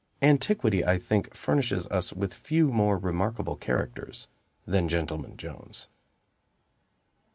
Antiquity, I think, furnishes us with few more remarkable characters than Gentleman Jones.